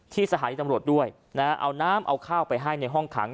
สถานีตำรวจด้วยนะฮะเอาน้ำเอาข้าวไปให้ในห้องขัง